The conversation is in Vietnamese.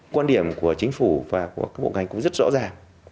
quan điểm của chính phủ và của các bộ ngành cũng rất rõ ràng